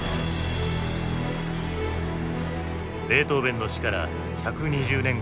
ベートーヴェンの死から１２０年後。